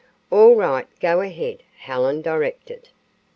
"All right, go ahead," Helen directed.